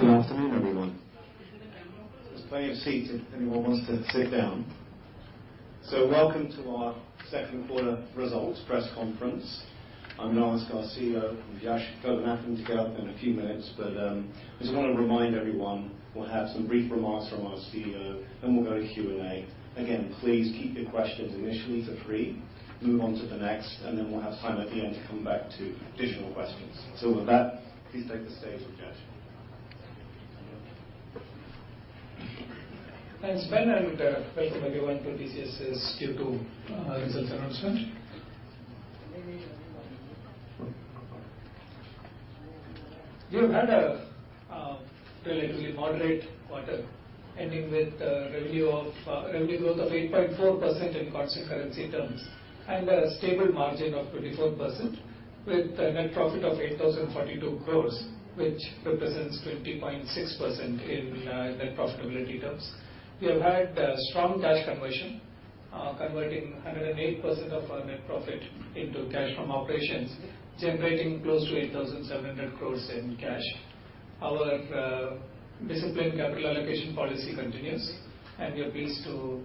Good afternoon, everyone. There's plenty of seats if anyone wants to sit down. Welcome to our second quarter results press conference. I'm Lars Garcia, our CEO, and Rajesh Gopinathan will get up in a few minutes. I just want to remind everyone, we'll have some brief remarks from our CEO, then we'll go to Q&A. Again, please keep your questions initially to three, move on to the next, and then we'll have time at the end to come back to additional questions. With that, please take the stage, Rajesh. Thanks, Ben, and welcome everyone to TCS's Q2 results announcement. We have had a relatively moderate quarter, ending with revenue growth of 8.4% in constant currency terms and a stable margin of 24%, with a net profit of 8,042 crores, which represents 20.6% in net profitability terms. We have had strong cash conversion, converting 108% of our net profit into cash from operations, generating close to 8,700 crores in cash. Our disciplined capital allocation policy continues, and we are pleased to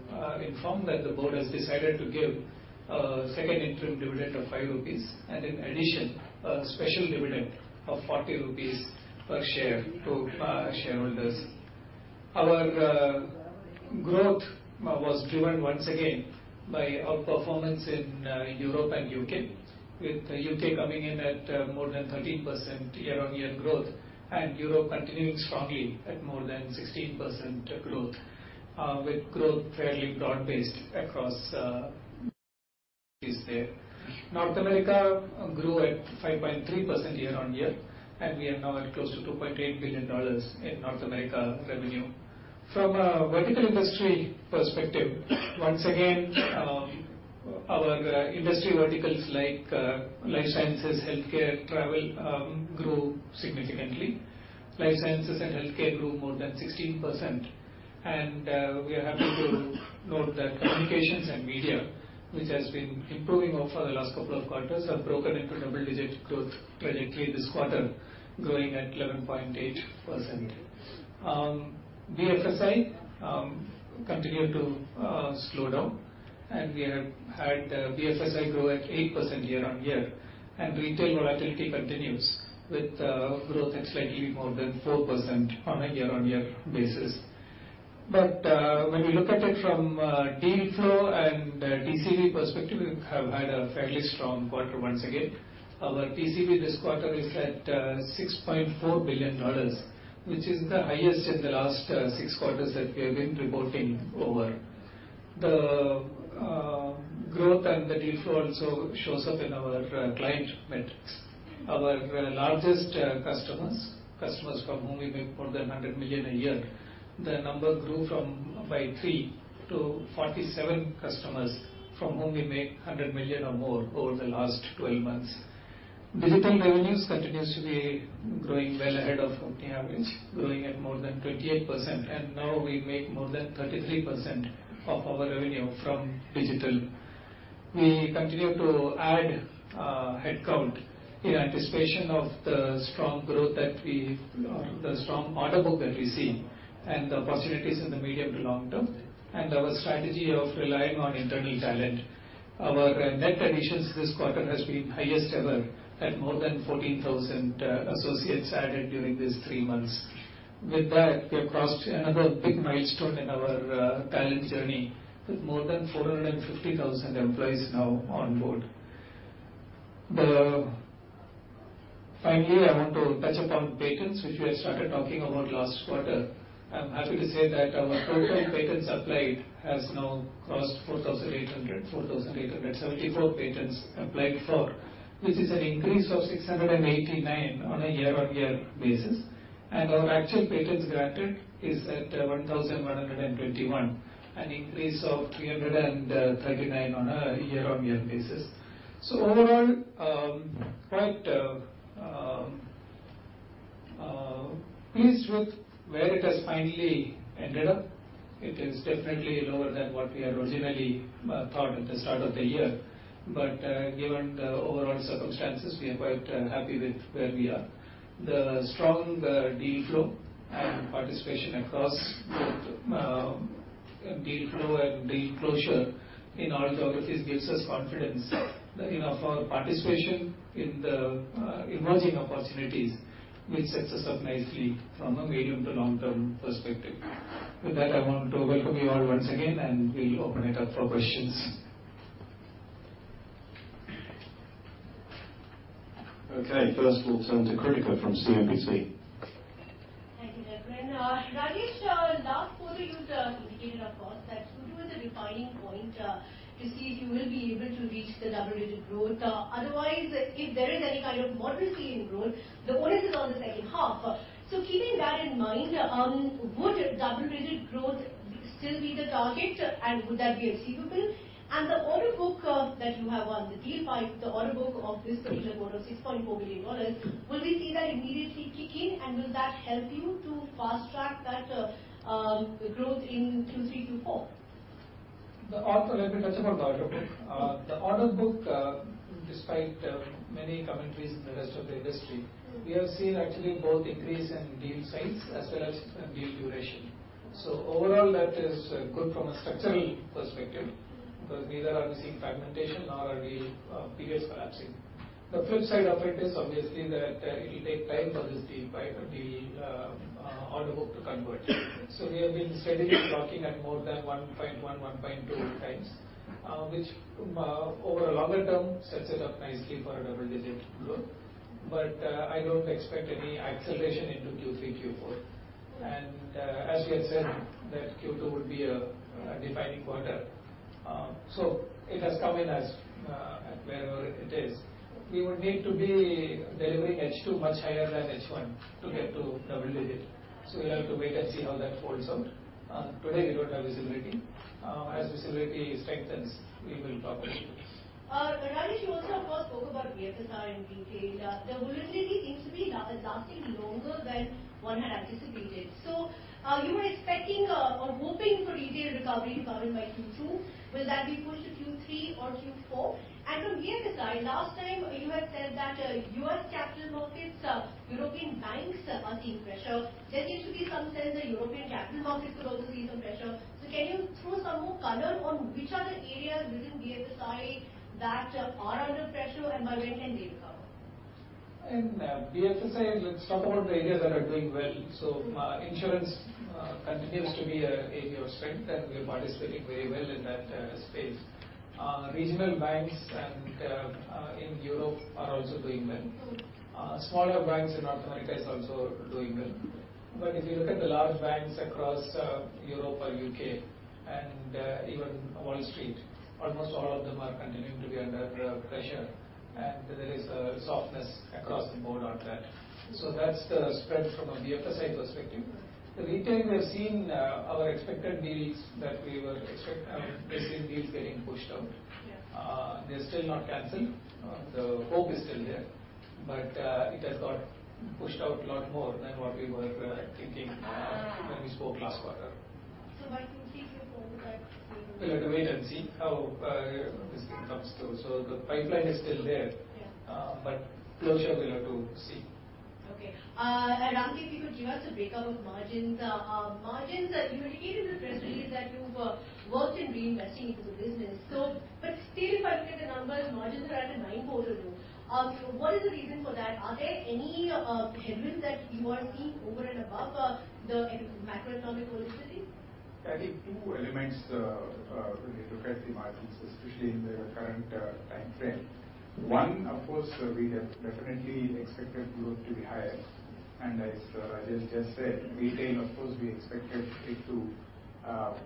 inform that the board has decided to give a second interim dividend of 5.00 rupees and in addition, a special dividend of 40 rupees per share to shareholders. Our growth was driven once again by outperformance in Europe and U.K., with U.K. coming in at more than 13% year-on-year growth and Europe continuing strongly at more than 16% growth, with growth fairly broad-based across is there. North America grew at 5.3% year-on-year. We are now at close to $2.8 billion in North America revenue. From a vertical industry perspective, once again, our industry verticals like life sciences, healthcare, travel grew significantly. Life sciences and healthcare grew more than 16%. We are happy to note that communications and media, which has been improving over the last couple of quarters, have broken into double-digit growth trajectory this quarter, growing at 11.8%. BFSI continued to slow down. We have had BFSI grow at 8% year-on-year. Retail volatility continues, with growth at slightly more than 4% on a year-on-year basis. When we look at it from a deal flow and TCV perspective, we have had a fairly strong quarter once again. Our TCV this quarter is at $6.4 billion, which is the highest in the last six quarters that we have been reporting over. The growth and the deal flow also shows up in our client metrics. Our largest customers from whom we make more than 100 million a year, the number grew from by three to 47 customers from whom we make 100 million or more over the last 12 months. Digital revenues continues to be growing well ahead of industry average, growing at more than 28%. Now we make more than 33% of our revenue from digital. We continue to add headcount in anticipation of the strong order book that we see and the possibilities in the medium to long term, Our strategy of relying on internal talent. Our net additions this quarter has been highest ever at more than 14,000 associates added during these three months. With that, we have crossed another big milestone in our talent journey with more than 450,000 employees now on board. Finally, I want to touch upon patents, which we had started talking about last quarter. I'm happy to say that our total patents applied has now crossed 4,800. 4,874 patents applied for, which is an increase of 689 on a year-on-year basis. Our actual patents granted is at 1,121, an increase of 339 on a year-on-year basis. Overall, quite pleased with where it has finally ended up. It is definitely lower than what we had originally thought at the start of the year. Given the overall circumstances, we are quite happy with where we are. The strong deal flow and participation across both deal flow and deal closure in all geographies gives us confidence in our participation in the emerging opportunities, which sets us up nicely from a medium- to long-term perspective. With that, I want to welcome you all once again, and we'll open it up for questions. First of all, turn to Kritika from CNBC. Thank you, Vinay. Rajesh, last quarter you indicated, of course, that Q2 was a defining point to see if you will be able to reach the double-digit growth. Otherwise, if there is any kind of modesty in growth, the bonus is on the second half. Keeping that in mind, would double-digit growth still be the target and would that be achievable? The order book that you have won, the deal pipe, the order book of this fiscal year of $6.4 billion, will we see that immediately kick in and will that help you to fast-track that growth in 2023/2024? Let me touch upon the order book. The order book, despite many commentaries in the rest of the industry, we have seen actually both increase in deal size as well as in deal duration. Overall, that is good from a structural perspective, because neither are we seeing fragmentation nor are we premature collapsing. The flip side of it is obviously that it will take time for this deal pipe and the order book to convert. We have been steadily talking at more than 1.1.2 times, which over a longer term sets it up nicely for a double-digit growth. I don't expect any acceleration into Q3, Q4. As we had said that Q2 would be a defining quarter. It has come in as wherever it is. We would need to be delivering H2 much higher than H1 to get to double-digit. We'll have to wait and see how that folds out. Today, we don't have visibility. As visibility strengthens, we will talk about it. Rajesh, you also, of course, spoke about BFSI in detail. The volatility seems to be lasting longer than one had anticipated. You were expecting or hoping for retail recovery probably by Q2. Will that be pushed to Q3 or Q4? From BFSI, last time you had said that U.S. capital markets, European banks are seeing pressure. There seems to be some sense that European capital markets could also see some pressure. Can you throw out some more color on which are the areas within BFSI that are under pressure and by when can they recover? In BFSI, let's talk about the areas that are doing well. Insurance continues to be an area of strength, and we are participating very well in that space. Regional banks in Europe are also doing well. Smaller banks in North America is also doing well. If you look at the large banks across Europe or U.K. and even Wall Street, almost all of them are continuing to be under pressure, and there is a softness across the board on that. That's the spread from a BFSI perspective. The retail we are seeing our expected deals, basically deals getting pushed out. Yeah. They're still not canceled. The hope is still there. It has got pushed out a lot more than what we were thinking when we spoke last quarter. by Q3, Q4, would that be? We'll have to wait and see how this thing comes through. The pipeline is still there. Yeah. Closure, we'll have to see. Okay. Rajesh, if you could give us a breakup of margins. Margins, you had indicated in the presentation that you've worked in reinvesting into the business. Still, if I look at the numbers, margins are at a nine quarter low. What is the reason for that? Are there any headwinds that you are seeing over and above the macroeconomic volatility? I think two elements when we look at the margins, especially in the current time frame. One, of course, we had definitely expected growth to be higher. As Rajesh just said, retail, of course, we expected it to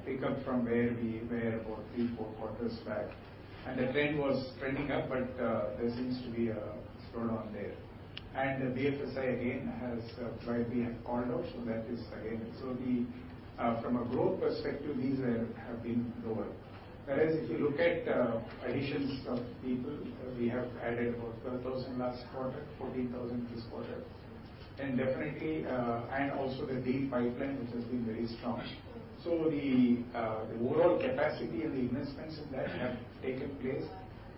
pick up from where we were about three, four quarters back. The trend was trending up, but there seems to be a slowdown there. BFSI again has quite been called out, from a growth perspective, these have been lower. Whereas if you look at additions of people, we have added about 12,000 last quarter, 14,000 this quarter. Definitely, and also the deal pipeline, which has been very strong. The overall capacity and the investments in that have taken place,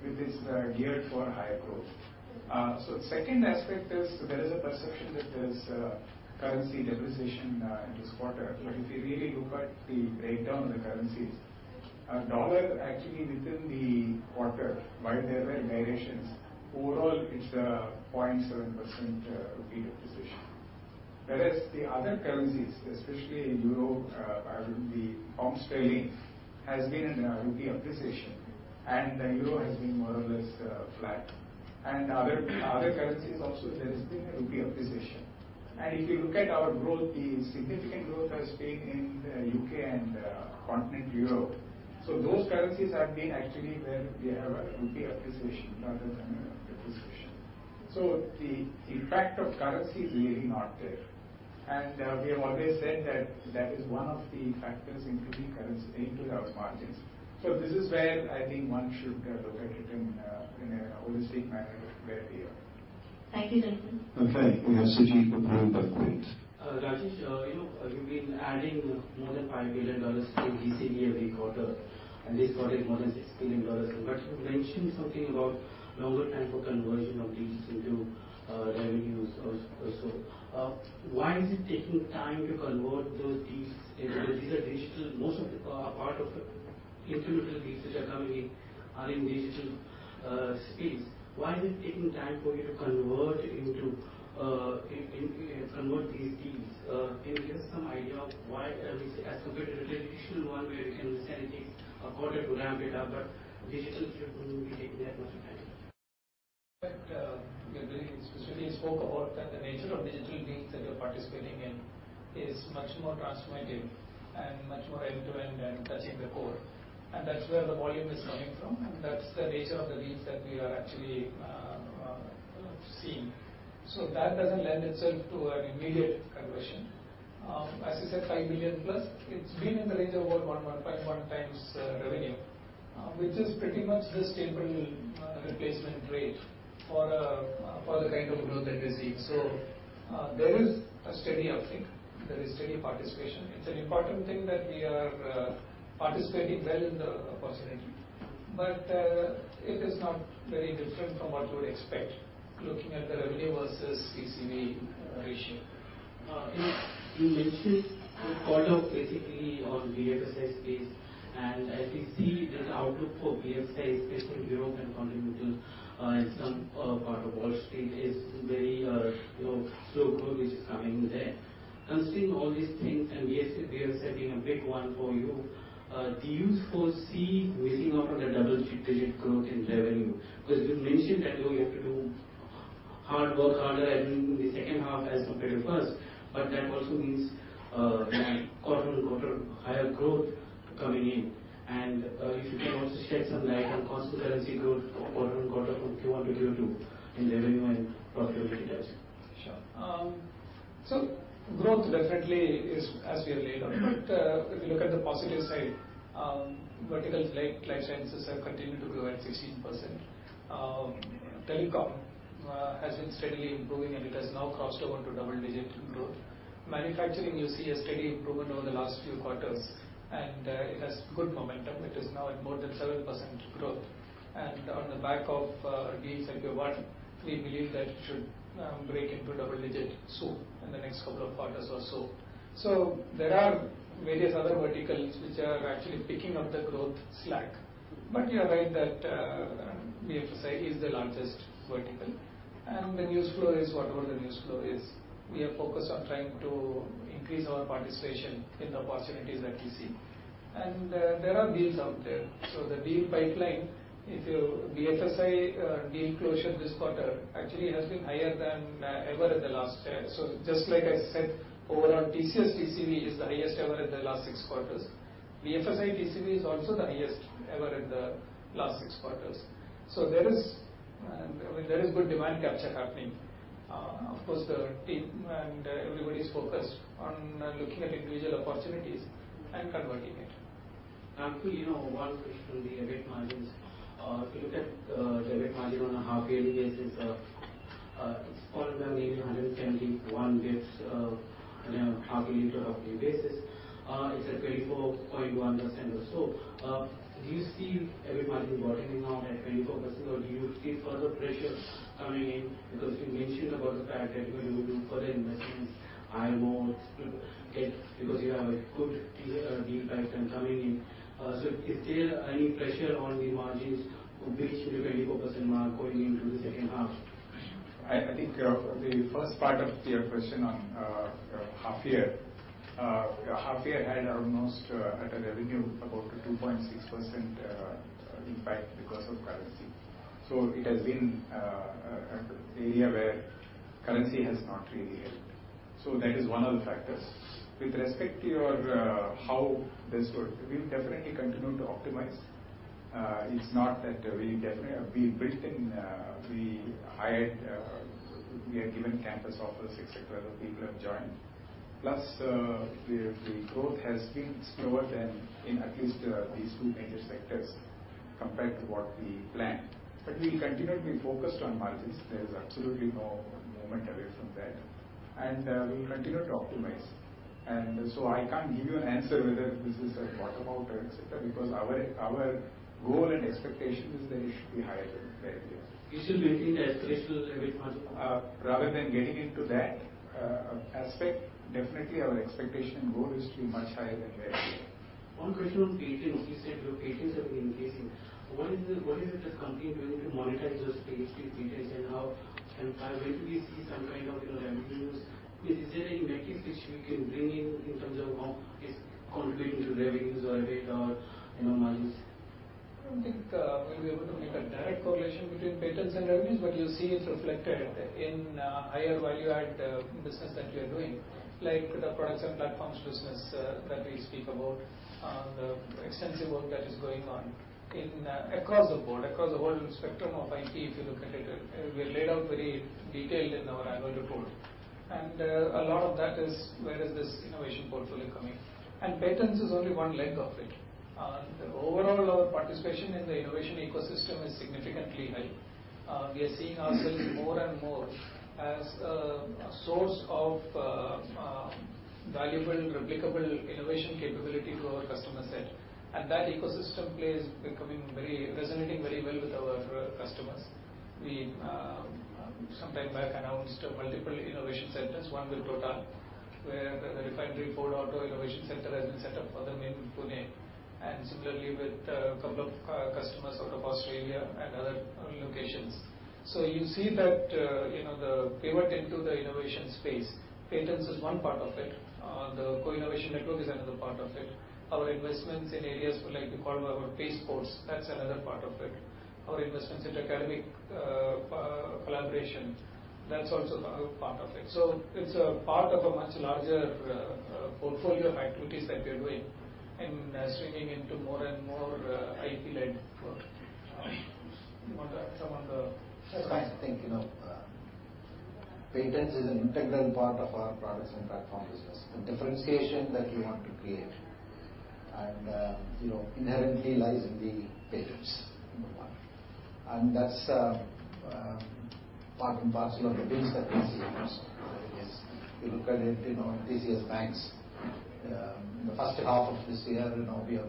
which is geared for higher growth. Second aspect is there is a perception that there's a currency depreciation in this quarter. If you really look at the breakdown of the currencies, U.S. dollar actually within the quarter, while there were variations, overall it's a 0.7% INR appreciation. The other currencies, especially EUR and the GBP, has been in INR appreciation, and the EUR has been more or less flat. Other currencies also, there has been a INR appreciation. If you look at our growth, the significant growth has been in U.K. and Continental Europe. Those currencies have been actually where we have a INR appreciation rather than a depreciation. The effect of currency is really not there. We have always said that that is one of the factors, including currency into our margins. This is where I think one should look at it in a holistic manner where we are. Thank you, Rakesh. Okay. We have Sudeep from Bloomberg. Great. Rajesh, you've been adding more than $5 billion in DC per quarter, and this quarter more than $6 billion. You mentioned something about longer time for conversion of deals into revenues also. Why is it taking time to convert those deals into? These are digital, most of the part of incremental deals which are coming in are in digital space. Why is it taking time for you to convert these deals? Can you give us some idea of why, as compared to the traditional one where you can essentially according to ramp it up, digital shouldn't be taking that much of time. We specifically spoke about that the nature of digital deals that you're participating in is much more transformative and much more end-to-end and touching the core, and that's where the volume is coming from, and that's the nature of the deals that we are actually seeing. That doesn't lend itself to an immediate conversion. As I said, 5 billion plus, it's been in the range of about 1.1x revenue, which is pretty much the stable replacement rate for the kind of growth that we are seeing. There is a steady uptick. There is steady participation. It's an important thing that we are participating well in the opportunities, but it is not very different from what you would expect looking at the revenue versus TCV ratio. You mentioned call out basically on BFSI space. As we see this outlook for BFSI, especially Europe and Continental, and some part of Wall Street is very slow growth which is coming there. Considering all these things, BFSI being a big one for you, do you foresee missing out on the double-digit growth in revenue? You mentioned that you have to do hard work harder and in the second half as compared to first, that also means quarter-on-quarter higher growth coming in. If you can also shed some light on constant currency growth quarter-on-quarter from Q1 to Q2 in revenue and profitability terms. Sure. Growth definitely is as we have laid out. If you look at the positive side, verticals like life sciences have continued to grow at 16%. Telecom has been steadily improving, and it has now crossed over to double-digit growth. Manufacturing, you see, a steady improvement over the last few quarters, and it has good momentum. It is now at more than 7% growth. On the back of deals like WBA, we believe that it should break into double digits soon, in the next couple of quarters or so. There are various other verticals which are actually picking up the growth slack. You are right that BFSI is the largest vertical, and the news flow is what the news flow is. We are focused on trying to increase our participation in the opportunities that we see. There are deals out there. The deal pipeline, BFSI deal closure this quarter actually has been higher than ever in the last. Just like I said, overall TCS TCV is the highest ever in the last six quarters. BFSI TCV is also the highest ever in the last six quarters. There is good demand capture happening. Of course, the team and everybody is focused on looking at individual opportunities and converting it. Ramakrishnan, one question on the EBIT margins. If you look at the EBIT margin on a half yearly basis, it's fallen down maybe 171 basis, and on a half yearly to half yearly basis, it's at 24.1% or so. Do you see EBIT margin bottoming out at 24%, or do you see further pressure coming in? You mentioned about the fact that you're going to do further investments, hire more, because you have a good deal pipeline coming in. Is there any pressure on the margins to breach the 24% mark going into the second half? I think the first part of your question on half year. Half year had almost at a revenue about a 2.6% impact because of currency. It has been an area where currency has not really helped. That is one of the factors. We'll definitely continue to optimize. We built in, we hired, we had given campus offers, et cetera. People have joined. Plus, the growth has been slower than in at least these two major sectors compared to what we planned. We'll continue to be focused on margins. There's absolutely no moment away from that. We'll continue to optimize. I can't give you an answer whether this is a bottom out, et cetera, because our goal and expectation is that it should be higher than where it is. You still maintain that pressure on the EBIT margin? Rather than getting into that aspect, definitely our expectation and goal is to be much higher than where it is. One question on patents. You said your patents have been increasing. What is the company doing to monetize those phased-in patents, and when do we see some kind of revenues? Is there a metrics which we can bring in in terms of how it's contributing to revenues or EBIT or margins? I don't think we'll be able to make a direct correlation between patents and revenues, but you'll see it's reflected in higher value-add business that we are doing, like the products and platforms business that we speak about, the extensive work that is going on across the board, across the whole spectrum of IT, if you look at it. We laid out very detailed in our annual report. A lot of that is where is this innovation portfolio coming. Patents is only one leg of it. Overall, our participation in the innovation ecosystem is significantly high. We are seeing ourselves more and more as a source of valuable, replicable innovation capability to our customer set. That ecosystem play is becoming very resonating very well with our customers. We sometime back announced multiple innovation centers, one with Total, where the Refinery 4.0 innovation center has been set up for them in Pune, and similarly with a couple of customers out of Australia and other locations. You see that the pivot into the innovation space. Patents is one part of it. The Co-Innovation Network is another part of it. Our investments in areas like we call our Pace Ports, that's another part of it. Our investments in academic collaboration, that's also another part of it. It's a part of a much larger portfolio of activities that we're doing in swinging into more and more IP-led growth. You want to add some on the? I think. Patents is an integral part of our products and platform business. The differentiation that we want to create inherently lies in the patents, number one, and that's part and parcel of the deals that we see most. If you look at it, TCS BaNCS, in the first half of this year, we have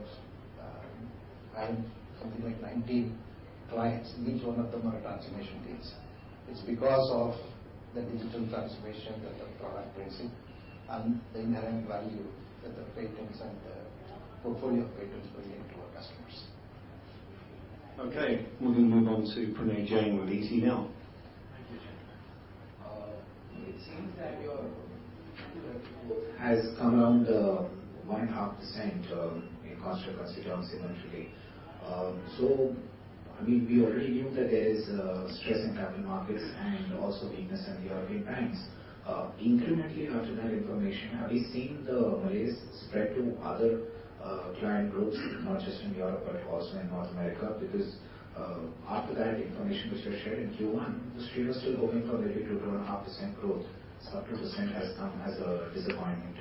hired something like 19 clients, and each one of them are transformation deals. It's because of the digital transformation that the product brings in and the inherent value that the patents and the portfolio of patents bring in to our customers. Okay. We're going to move on to Pranay Jain with ET Now. Thank you. It seems that your revenue growth has come down to 1.5% in constant currency terms quarterly. We already knew that there is stress in capital markets and also weakness in the European banks. Incrementally after that information, have we seen the malaise spread to other client groups, not just in Europe but also in North America? Because after that information which was shared in Q1, the street was still hoping for maybe 2.5% growth. Sub 2% has come as a disappointment.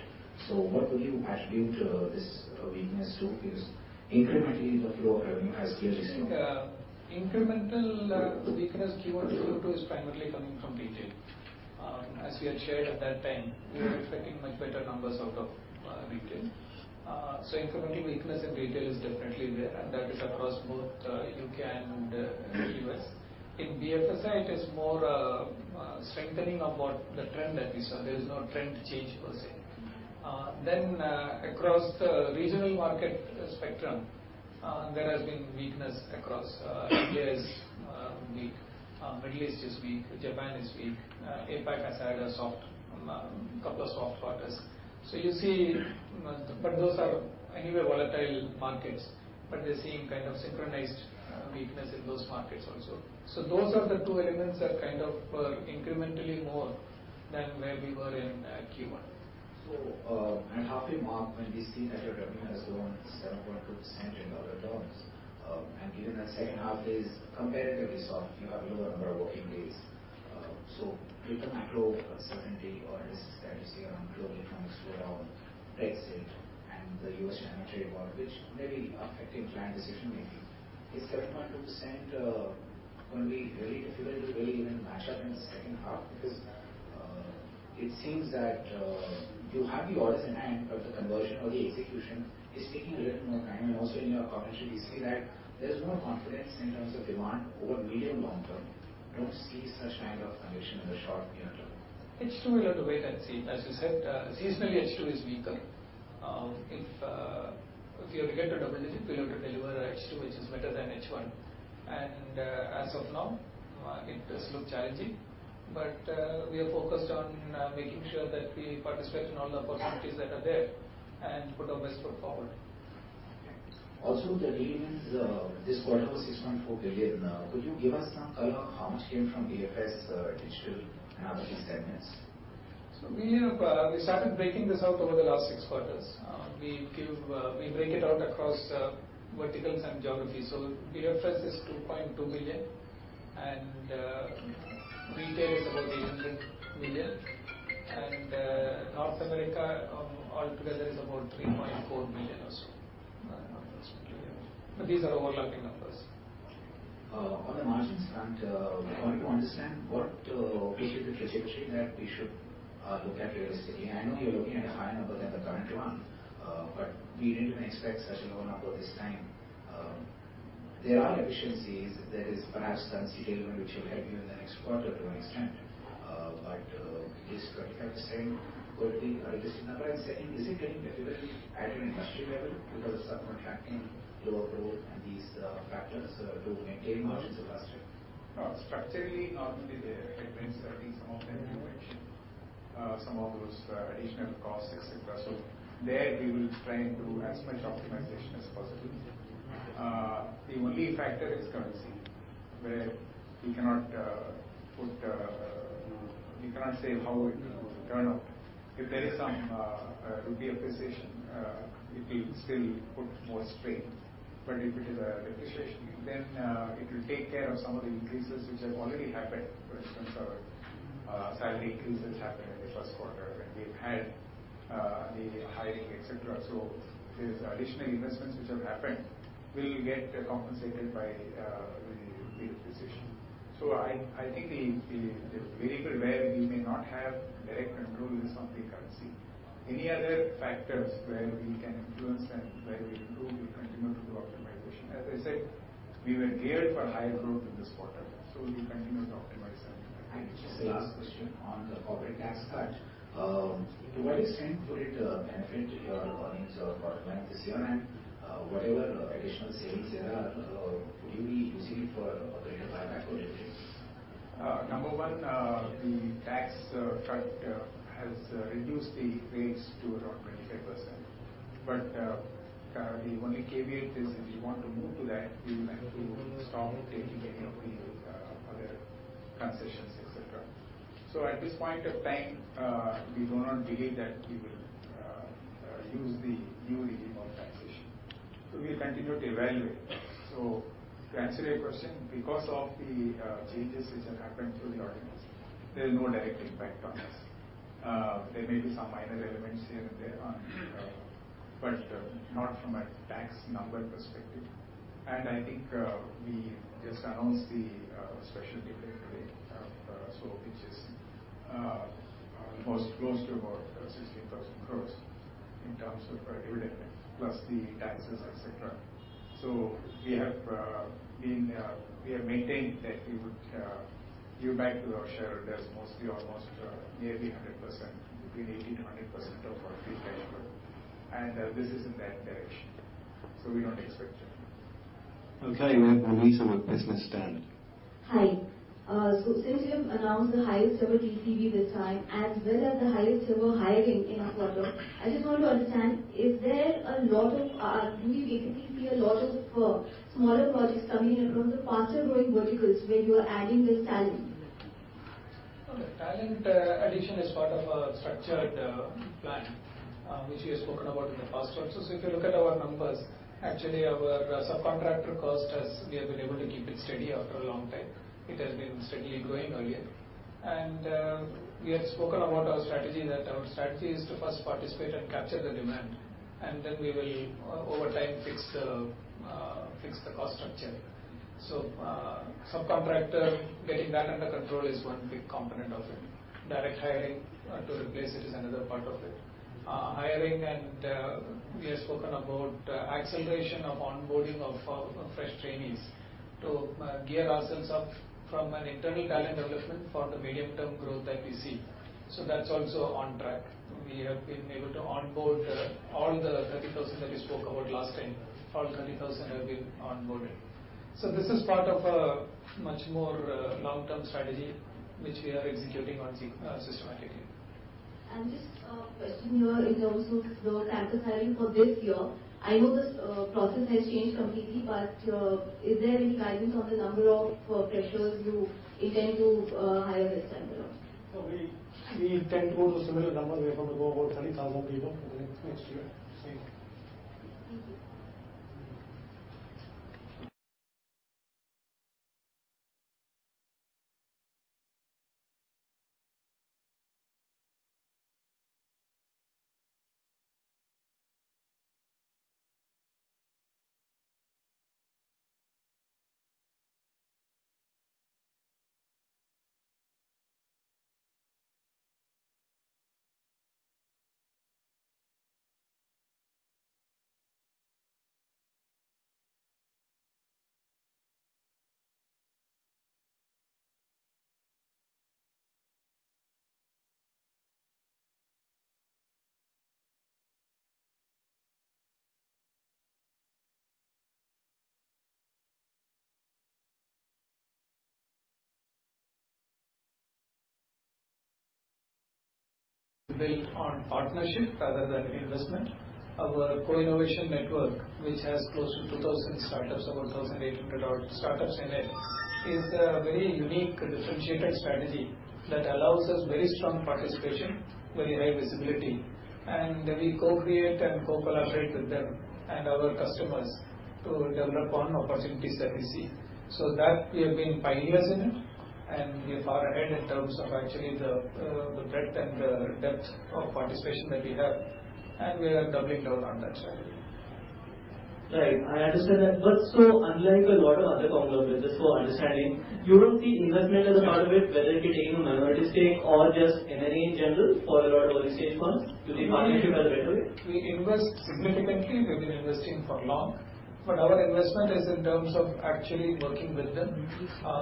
What would you attribute this weakness to? Because incrementally the flow of revenue has clearly slowed. I think incremental weakness Q1 to Q2 is primarily coming from retail. We had shared at that time, we were expecting much better numbers out of retail. Incremental weakness in retail is definitely there, and that is across both U.K. and U.S. In BFSI, it is more strengthening of what the trend that we saw. There is no trend change per se. Across the regional market spectrum, there has been weakness across. India is weak, Middle East is weak, Japan is weak. APAC has had a couple of soft quarters. Those are anyway volatile markets, but we're seeing kind of synchronized weakness in those markets also. Those are the two elements that kind of incrementally more than where we were in Q1. Half a mark when we see that your revenue has grown 7.2% in dollar terms. Given that second half is comparatively soft, you have lower number of working days. Given macro uncertainty or risks that we see around global economics, around Brexit and the US-China trade war, which may be affecting client decision-making, is 7.2% going to be really difficult to really even match up in the second half? Because it seems that you have the orders in hand, but the conversion or the execution is taking a little more time. Also in your commentary, we see that there's more confidence in terms of demand over medium long term. We don't see such kind of conviction in the short near term. H2, we'll have to wait and see. As you said, seasonally, H2 is weaker. If we are to get to double-digit, we'll have to deliver H2, which is better than H1. As of now, it does look challenging, but we are focused on making sure that we participate in all the opportunities that are there and put our best foot forward. Okay. The revenues this quarter were 6.4 billion. Could you give us some color how much came from BFSI, digital and other segments? We started breaking this out over the last six quarters. We break it out across verticals and geographies. We have BFSI is $2.2 billion, and retail is about $800 million, and North America altogether is about $3.4 billion or so. These are overlapping numbers. Okay. On the margins front, we want to understand what specific flexibility that we should look at realistically. I know you're looking at a higher number than the current one, but we didn't expect such a low number this time. There are efficiencies. There is perhaps currency tailwind which will help you in the next quarter to an extent. Is 25% going to be a realistic number in the second? Is it getting difficult at an industry level because of sub-contracting, lower growth and these factors to maintain margins at that level? Structurally, not really there. Like Vinay said, I think some of them you mentioned, some of those additional costs, et cetera. There we will try and do as much optimization as possible. The only factor is currency, where we cannot say how it will turn out. If there is some rupee appreciation, it will still put more strain. If it is a depreciation, then it will take care of some of the increases which have already happened. For instance, our salary increases happened in the first quarter when we've had the hiring, et cetera. There's additional investments which have happened will get compensated by the rupee appreciation. I think the variable where we may not have direct control is on the currency. Any other factors where we can influence and where we improve, we continue to do optimization. As I said, we were geared for higher growth in this quarter, so we'll continue to optimize and manage this. Just the last question on the corporate tax cut. To what extent could it benefit your earnings or bottom line this year? Whatever additional savings there are, would you be using it for further buyback or dividends? Number one, the tax cut has reduced the rates to around 25%, but the only caveat is if you want to move to that, you will have to stop taking any of the other concessions, et cetera. At this point of time, we do not believe that we will use the new regime of taxation. We'll continue to evaluate that. To answer your question, because of the changes which have happened through the ordinance, there is no direct impact on us. There may be some minor elements here and there, but not from a tax number perspective. I think we just announced the special dividend today, which is almost close to about INR 16,000 crore in terms of our dividend plus the taxes, et cetera. We have maintained that we would give back to our shareholders mostly almost nearly 100%, between 80%-100% of our free cash flow, and this is in that direction. We don't expect changes. Okay. We have Anitha with Business Standard. Hi. Since you have announced the highest ever TCV this time, as well as the highest ever hiring in a quarter, I just want to understand, do you see a lot of smaller projects coming in from the faster-growing verticals where you are adding this talent? Talent addition is part of a structured plan, which we have spoken about in the past also. If you look at our numbers, actually our subcontractor cost, we have been able to keep it steady after a long time. It has been steadily growing earlier. We have spoken about our strategy, that our strategy is to first participate and capture the demand, and then we will over time fix the cost structure. Subcontractor, getting that under control is one big component of it. Direct hiring to replace it is another part of it. Hiring, and we have spoken about acceleration of onboarding of fresh trainees to gear ourselves up from an internal talent development for the medium-term growth that we see. That's also on track. We have been able to onboard all the 30,000 that we spoke about last time. All 30,000 have been onboarded. This is part of a much more long-term strategy, which we are executing on systematically. Just a question here in terms of the campus hiring for this year. I know this process has changed completely, but is there any guidance on the number of freshers you intend to hire this time around? We intend to go to similar numbers. We are going to go about 30,000 people next year. Same. Thank you. Built on partnership rather than investment. Our Co-Innovation Network, which has close to 2,000 startups, about 1,800-odd startups in it, is a very unique, differentiated strategy that allows us very strong participation, very high visibility, and we co-create and co-collaborate with them and our customers to develop on opportunities that we see. We have been pioneers in it, and we are far ahead in terms of actually the breadth and the depth of participation that we have, and we are doubling down on that strategy. Right. I understand that. Unlike a lot of other conglomerates, just for understanding, you don't see investment as a part of it, whether it be taking a minority stake or just M&A in general for a lot of early-stage firms. Do you participate that way? We invest significantly. We've been investing for long. Our investment is in terms of actually working with them.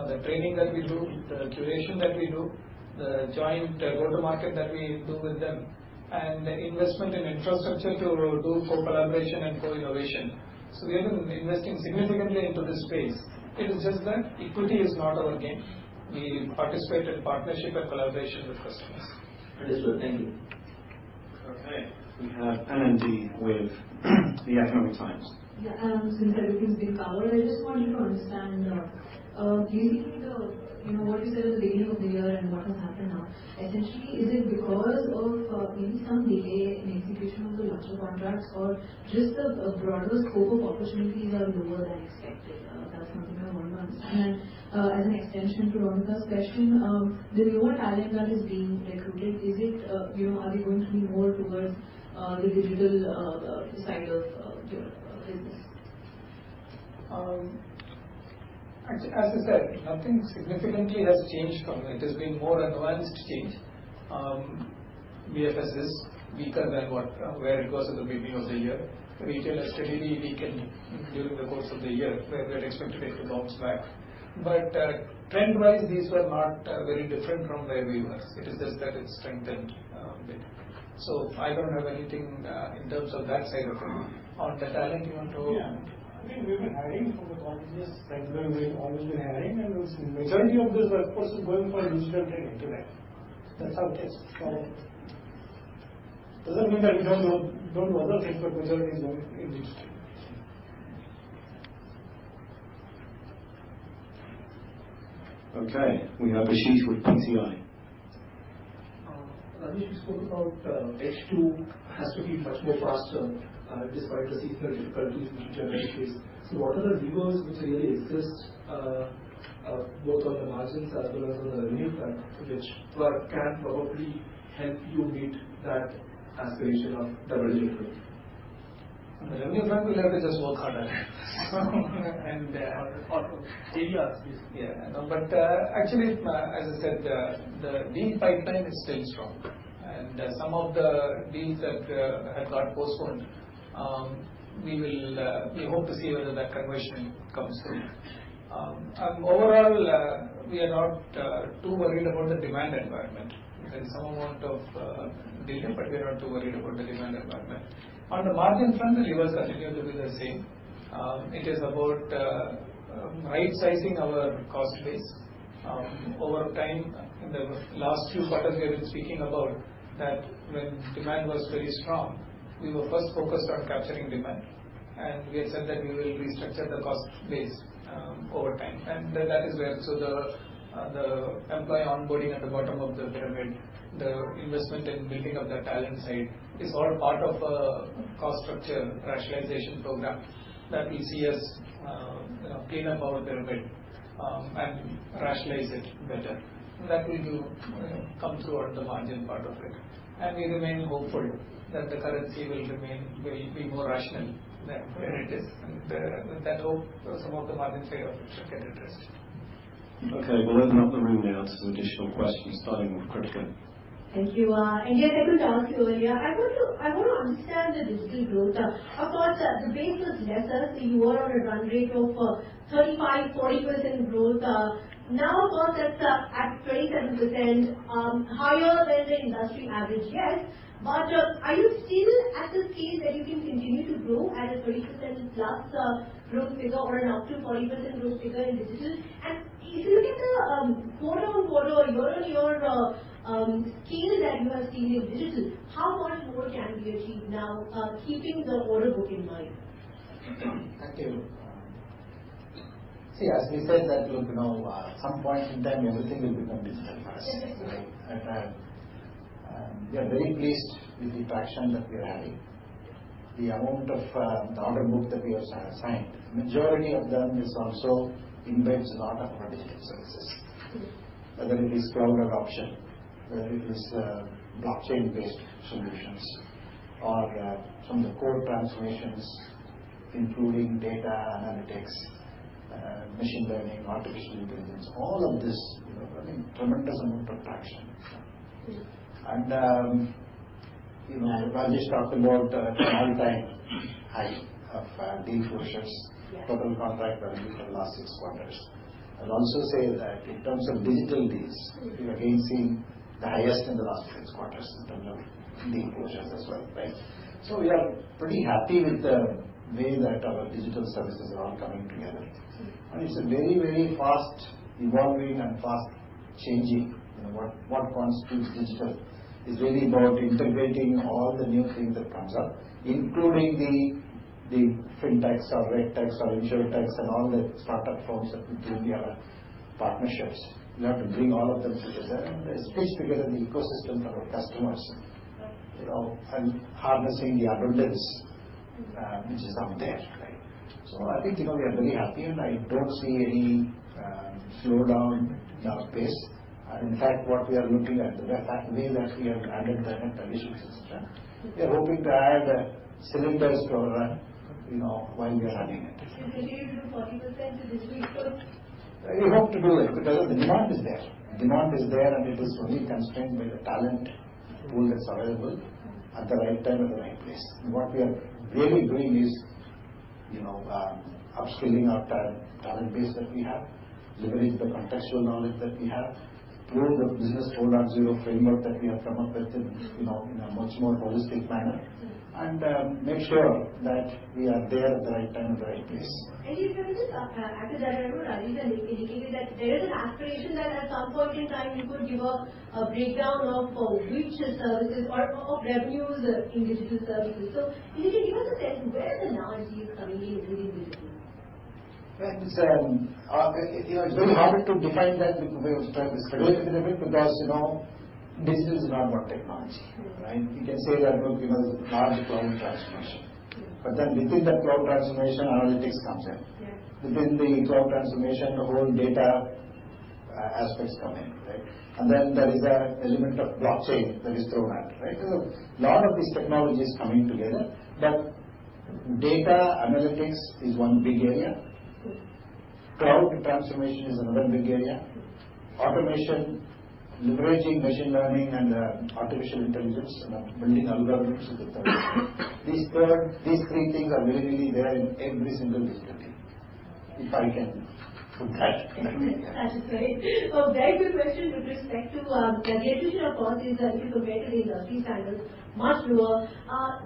The training that we do, the curation that we do, the joint go-to-market that we do with them, and the investment in infrastructure to do for collaboration and co-innovation. We have been investing significantly into this space. It is just that equity is not our game. We participate in partnership and collaboration with customers. Understood. Thank you. Okay, we have Anandi with The Economic Times. Yeah, since everything's been covered, I just wanted to understand, using what you said at the beginning of the year and what has happened now, essentially, is it because of maybe some delay in execution of the larger contracts or just the broader scope of opportunities are lower than expected? That's something I wanted to understand. As an extension to Ronika's question, the newer talent that is being recruited, are they going to be more towards the digital side of your business? As I said, nothing significantly has changed from it. It has been more a nuanced change. BFS is weaker than where it was at the beginning of the year. Retail has steadily weakened during the course of the year, where we had expected it to bounce back. Trend-wise, these were not very different from where we were. It is just that it's strengthened a bit. I don't have anything in terms of that side of things. On the talent you want to Yeah. I mean, we've been hiring from the colleges regularly, always been hiring, and majority of this workforce is going for digital training today. That's our case for it. Doesn't mean that we don't bother, but majority is going in digital. Okay, we have Ashish with PTI. Rajesh, you spoke about H2 has to be much more faster, despite the seasonal difficulties which generally face. What are the levers which really exist both on the margins as well as on the revenue front, which can probably help you meet that aspiration of double-digit growth? On the revenue front, we'll have to just work harder. Areas, basically. Yeah. Actually, as I said, the deal pipeline is still strong. Some of the deals that had got postponed, we hope to see whether that conversion comes through. Overall, we are not too worried about the demand environment. There's some amount of delay, but we're not too worried about the demand environment. On the margin front, the levers continue to be the same. It is about right-sizing our cost base. Over time, in the last few quarters, we have been speaking about that when demand was very strong, we were first focused on capturing demand. We had said that we will restructure the cost base over time. The employee onboarding at the bottom of the pyramid, the investment in building up the talent side is all part of a cost structure rationalization program that will see us clean up our pyramid and rationalize it better. That will come through on the margin part of it. We remain hopeful that the currency will be more rational than where it is, and with that hope some of the margin tail risk will get addressed. Okay, we'll open up the room now to some additional questions, starting with Kritika. Thank you. Yes, I could ask you earlier. I want to understand the digital growth. Of course, the base was lesser, so you were on a run rate of 35%-40% growth. Of course, that's at 27%, higher than the industry average, yes. Are you still at a scale that you can continue to grow at a 20% plus growth figure or an up to 40% growth figure in digital? If you look at the quarter-on-quarter year-on-year scale that you are seeing in digital, how much more can we achieve now, keeping the order book in mind? Thank you. See, as we said that, look, now, at some point in time, everything will become digital for us. Yes. We are very pleased with the traction that we are having. The amount of the order book that we have signed, majority of them also embeds a lot of our digital services. Yes. Whether it is cloud adoption, whether it is blockchain-based solutions or from the core transformations, including data analytics, machine learning, artificial intelligence, all of this, running tremendous amount of traction. Yes. Rajesh talked about all-time high of deal closures. Yes total contract values in the last six quarters. I'll also say that in terms of digital deals- We are again seeing the highest in the last six quarters in terms of deal closures as well. We are pretty happy with the way that our digital services are all coming together. Yes. It's a very, very fast evolving and fast changing. What constitutes digital is really about integrating all the new things that comes up, including the fintechs or regtechs or insurtechs and all the startup firms that we do in our partnerships. We have to bring all of them together and stitch together the ecosystem for our customers and harnessing the abundance which is out there. I think we are very happy, and I don't see any slowdown in our pace. In fact, what we are looking at, the way that we have added talent addition system, we are hoping to add cylinders to our run while we are running it. You'll be able to do 40% in this fiscal? We hope to do it because the demand is there. Demand is there. It is only constrained by the talent pool that's available at the right time, at the right place. What we are really doing is upskilling our talent base that we have, leverage the contextual knowledge that we have, build the Business 4.0 framework that we have promoted in a much more holistic manner. Yes Make sure that we are there at the right time, at the right place. If you can just add to that. I know Rajesh had indicated that there is an aspiration that at some point in time you could give a breakdown of which services or of revenues in digital services. Can you give us a sense where the analytics is coming in within digital? It's very hard to define that the way you're trying to describe it. Go to the limit. Digital is not one technology, right? You can say that because large cloud transformation. Within that cloud transformation, analytics comes in. Yes. Within the cloud transformation, the whole data aspects come in. There is the element of blockchain that is thrown at. A lot of these technologies coming together, but data analytics is one big area. Yes. Cloud transformation is another big area. Automation, leveraging machine learning and artificial intelligence, building algorithms with the products. These three things are really there in every single digital deal, if I can put that. That's right. Very quick question with respect to the attrition, of course, is if you compare to industry standards, much lower.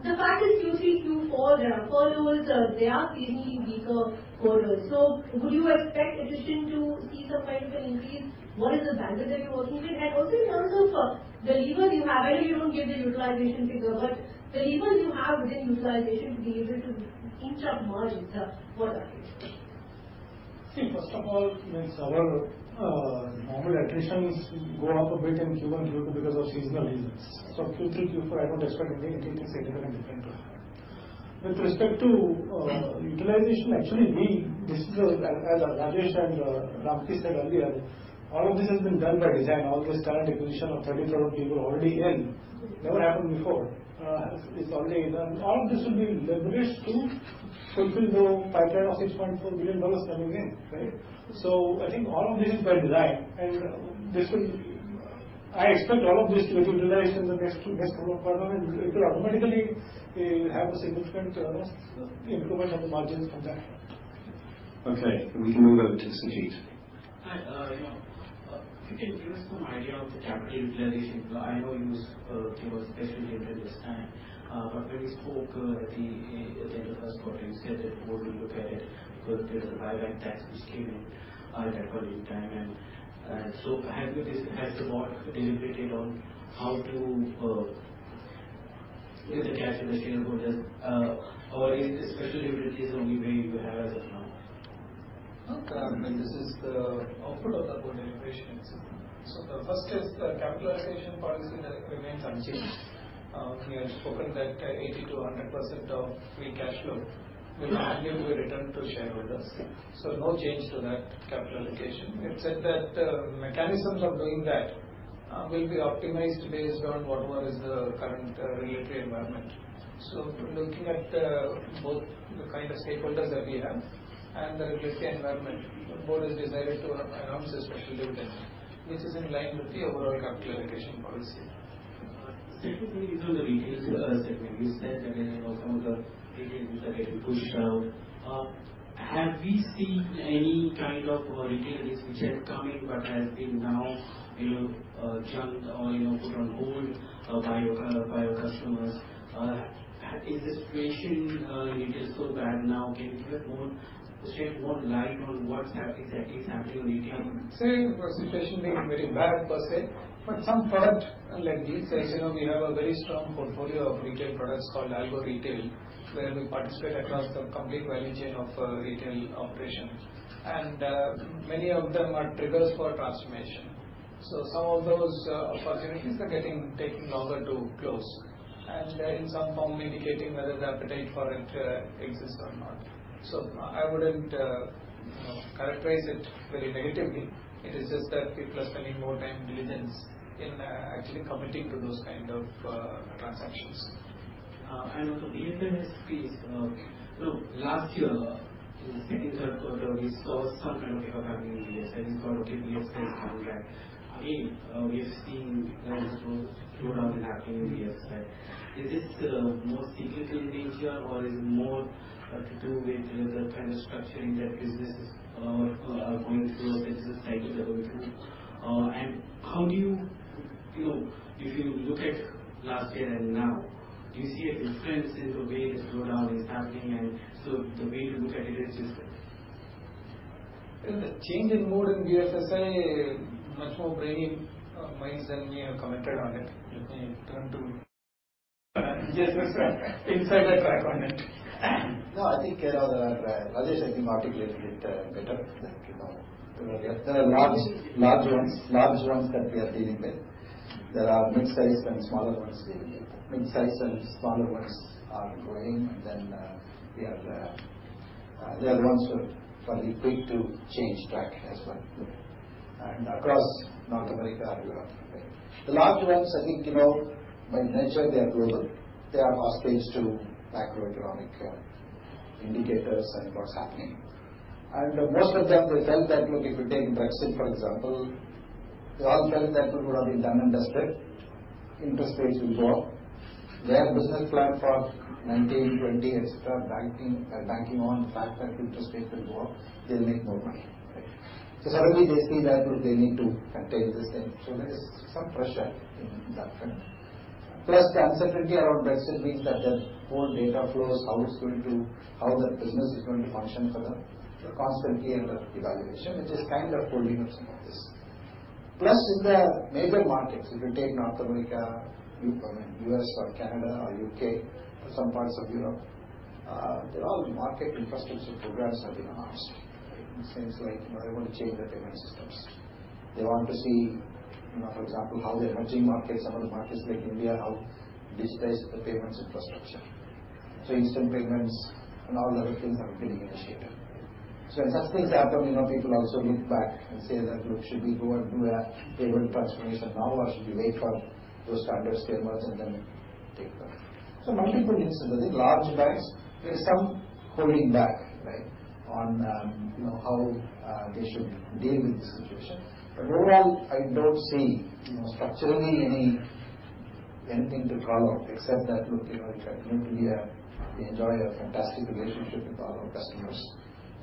The fact is Q3, Q4, there are furloughs. They are clearly weaker quarters. Would you expect attrition to see some kind of an increase? What is the vendor that you're working with? Also, in terms of the levers you have, I know you don't give the utilization figure, but the levers you have within utilization to be able to inch up margins, what are they? See, first of all, our normal attritions go up a bit in Q1 and Q2 because of seasonal reasons. Q3, Q4, I don't expect anything significantly different. With respect to utilization, actually, as Rajesh and Ramkrish said earlier, all of this has been done by design. All this current acquisition of 30 product people already in never happened before. It's already done. All of this will be leveraged to fulfill the pipeline of $6.4 billion coming in. I think all of this is by design, and I expect all of this to be utilized in the next couple of quarters and it will automatically have a significant improvement of the margins from that. Okay. We can move over to Sudeep. Hi. If you can give us some idea of the capital utilization. I know you gave a special dividend this time. When we spoke at the end of first quarter, you said that the board will look at it because there's a buyback tax which came in at that point in time. Has the board deliberated on how to give the cash to the shareholder, or is the special dividend case the only way you have as of now? This is the output of the board deliberation. The first is the capitalization policy that remains unchanged. We have spoken that 80%-100% of free cash flow will continue to be returned to shareholders. No change to that capitalization. It's said that the mechanisms of doing that will be optimized based on whatever is the current regulatory environment. Looking at both the kind of stakeholders that we have and the regulatory environment, the board has decided to announce a special dividend, which is in line with the overall capitalization policy. Secondly, in terms of the retail segment, we said again some of the retail deals are getting pushed out. Have we seen any kind of retail deals which had come in but has been now junked or put on hold by your customers? Is the situation in retail so bad now? Can you please shed more light on what exactly is happening on retail? Saying the situation being very bad per se, but some product, like we said, we have a very strong portfolio of retail products called Algo Retail, where we participate across the complete value chain of retail operations, and many of them are triggers for transformation. Some of those opportunities are taking longer to close and in some form indicating whether the appetite for it exists or not. I wouldn't characterize it very negatively. It is just that people are spending more time due diligence in actually committing to those kind of transactions. On the BFSI piece, last year in the second quarter, we saw some kind of pickup happening in BFSI. This quarter, again, we are seeing kind of slowdown happening in BFSI. Is this more cyclical in nature or is it more to do with the kind of structuring that businesses are going through or business cycles are going through? If you look at last year and now, do you see a difference in the way the slowdown is happening and so the way to look at it is different? The change in mode in BFSI, much more brainy minds than me have commented on it. Let me turn to inside the track on it. No, I think Rajesh can articulate it better than me. There are large ones that we are dealing with. There are mid-size and smaller ones. Mid-size and smaller ones are growing and then there are ones who are fairly quick to change track as well. Across North America as well. The large ones, I think, by nature, they are global. They are hostage to macroeconomic indicators and what's happening. Most of them, they felt that, look, if you take Brexit, for example, they all felt that look what have been done and dusted. Interest rates will go up. Their business plan for 2019, 2020, et cetera, banking on the fact that interest rates will go up, they'll make more money. Suddenly they see that look, they need to contain this thing. There is some pressure in that front. The uncertainty around Brexit means that their own data flows, how it's going to function for them. They're constantly under evaluation, which is kind of holding up some of this. In the neighbor markets, if you take North America, U.S. or Canada or U.K. or some parts of Europe, all the market infrastructure programs have been asked, in the sense like they want to change their payment systems. They want to see, for example, how the emerging markets, some of the markets like India, how digitized the payments infrastructure. Instant payments and all other things are being initiated. When such things happen, people also look back and say that, "Look, should we go and do a payment transformation now or should we wait for those standards to emerge and then take them up?" Multiple instances, I think large banks, there is some holding back on how they should deal with the situation. Overall, I don't see structurally anything to call out except that, look, in India, we enjoy a fantastic relationship with all our customers.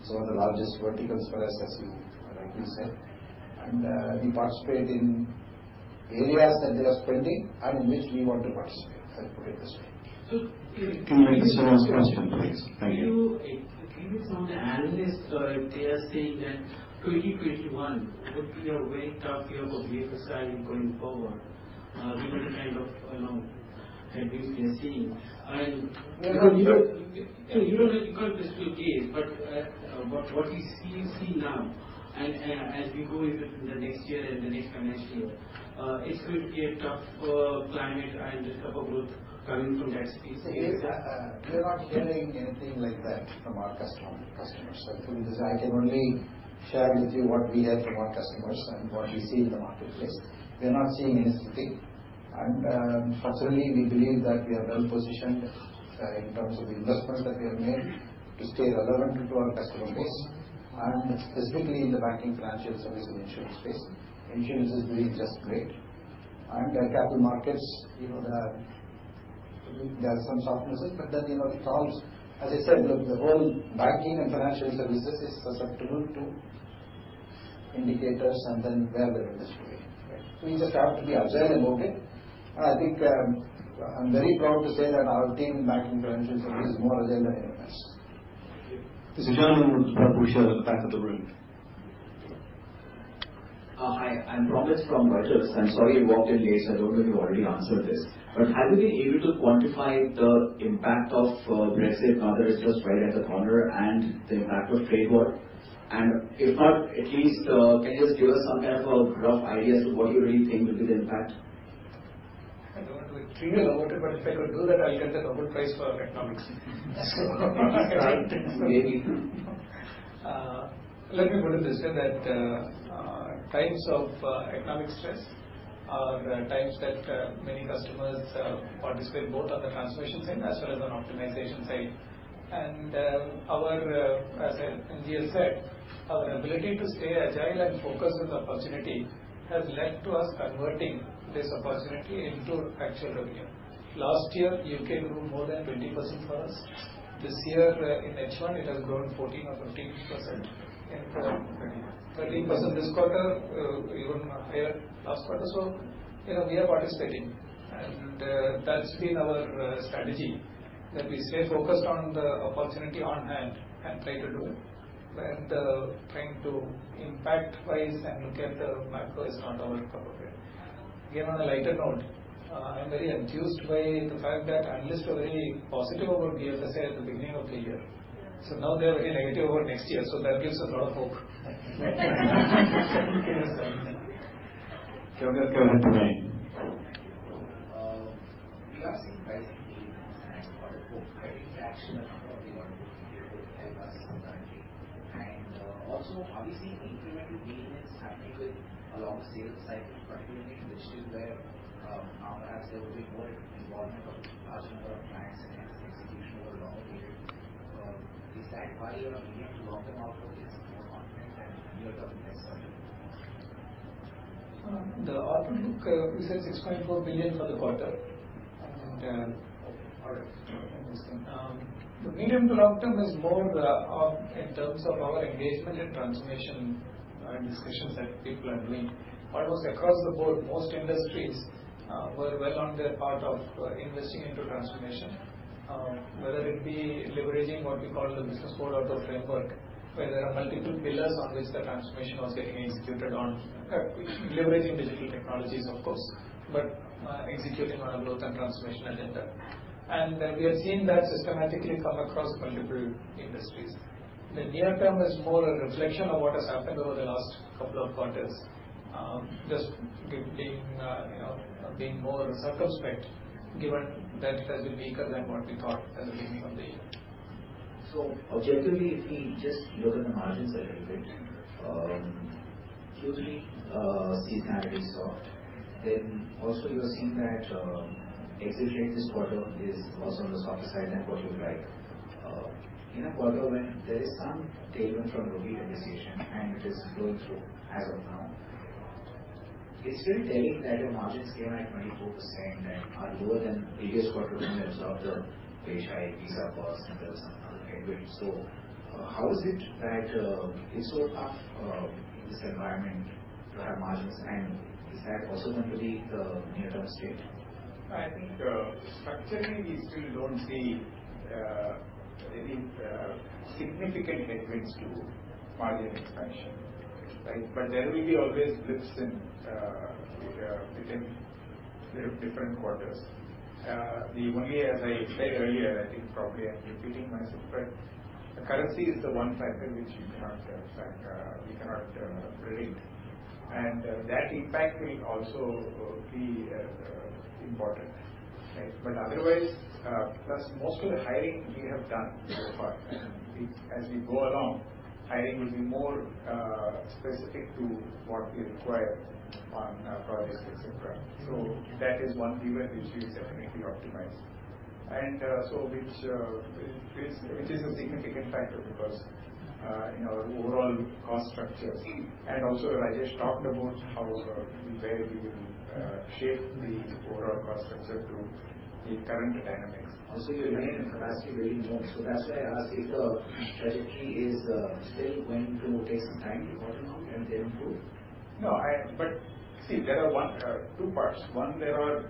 It is one of the largest verticals for us, as you rightly said. We participate in areas that they are spending and which we want to participate. I will put it this way. Can we get the last question, please? Thank you. I think it's on the analyst. They are saying that 2021 would be a very tough year for BFSI going forward, given the kind of headwinds they're seeing. No. You don't have the crystal gaze. What we see now, and as we go into the next year and the next financial year, it's going to be a tough climate and tough growth coming from that space. We're not hearing anything like that from our customers. I can only share with you what we hear from our customers and what we see in the marketplace. We're not seeing anything. Fortunately, we believe that we are well-positioned in terms of the investment that we have made to stay relevant to our customer base, and specifically in the Banking, Financial Services, and Insurance space. Insurance is doing just great. The capital markets, there are some softnesses, it comes. As I said, look, the whole Banking and Financial Services is susceptible to indicators where the industry is going. We just have to be agile about it. I think I'm very proud to say that our team in Banking and Financial Services is more agile than anyone else. This gentleman with the purple shirt at the back of the room. Hi, I'm Thomas from Reuters. I'm sorry I walked in late, so I don't know if you already answered this. Have you been able to quantify the impact of Brexit now that it's just right at the corner and the impact of trade war? If not, at least can you just give us some type of a rough idea as to what you really think will be the impact? I don't want to be trivial about it, but if I could do that, I'll get the Nobel Prize for economics. Maybe. Let me put it this way, that times of economic stress are times that many customers participate both on the transformation side as well as on optimization side. As N.G. said, our ability to stay agile and focused on the opportunity has led to us converting this opportunity into actual revenue. Last year, U.K. grew more than 20% for us. This year, in H1, it has grown 14% or 15%. Around 13. 13% this quarter, even higher last quarter. We are participating, and that's been our strategy, that we stay focused on the opportunity on hand and try to do it. Trying to impact-wise and look at the macro is not our cup of tea. Again, on a lighter note, I'm very enthused by the fact that analysts are very positive about BFSI at the beginning of the year. Now they are very negative over next year, so that gives a lot of hope. We are seeing rising demand as an order book, but we actually are not only order book, they both help us concurrently. Also, are we seeing incremental engagements happening along the sales cycle, particularly in digital, where perhaps there will be more involvement of large number of clients and hence execution over a longer period? Is that why your medium- to long-term outlook is more confident than near-term next quarter? The outlook, we said INR 6.4 billion for the quarter. Okay. All right. The medium to long-term is more in terms of our engagement and transformation and discussions that people are doing. Almost across the board, most industries were well on their part of investing into transformation, whether it be leveraging what we call the Business 4.0 framework, where there are multiple pillars on which the transformation was getting executed on. Leveraging digital technologies, of course, but executing on a growth and transformation agenda. We are seeing that systematically come across multiple industries. The near term is more a reflection of what has happened over the last couple of quarters. Just being more circumspect, given that it has been weaker than what we thought at the beginning of the year. Objectively, if we just look at the margins a little bit, usually seasonality is soft. Also you're seeing that execution this quarter is also on the softer side than what you would like. In a quarter when there is some tailwind from rupee appreciation, and it is going through as of now, it's still telling that your margins came at 24% and are lower than the previous quarter when there was other wage hike, visa costs, and there were some other headwinds. How is it that it's so tough in this environment to have margins, and is that also going to be the near-term state? I think structurally, we still don't see any significant headwinds to margin expansion. There will be always blips within different quarters. The only, as I said earlier, I think probably I'm repeating myself, but currency is the one factor which we cannot predict, and that impact will also be important. Otherwise, plus most of the hiring we have done so far, and as we go along, hiring will be more specific to what we require on projects, et cetera. That is one lever which we will definitely optimize. Which is a significant factor because in our overall cost structures. Also Rajesh talked about how, where we will shape the overall cost structure to the current dynamics. You remain in capacity very low. That's why I ask if the trajectory is still going to take some time to bottom out and then improve. See, there are two parts. One, there are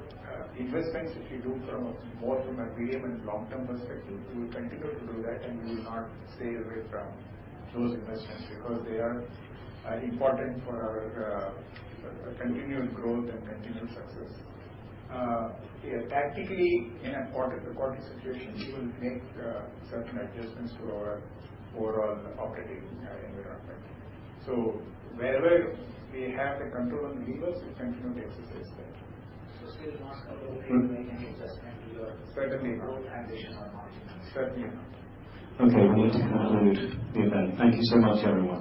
investments which we do from both from a medium and long-term perspective. We will continue to do that, and we will not stay away from those investments because they are important for our continual growth and continual success. Tactically, in a quarter-to-quarter situation, we will make certain adjustments to our overall operating environment. Wherever we have the control on levers, we'll continue to exercise that. Still months of remaining adjustment to your. Certainly. growth ambitions on margins. Certainly. Okay, we need to conclude the event. Thank you so much, everyone.